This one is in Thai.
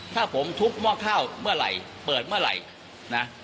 ถ้าผมทุบหม้อข้าวเมื่อไหร่เปิดเมื่อไหร่นะ